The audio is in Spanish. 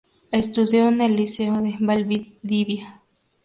Estudió en el Liceo de Valdivia.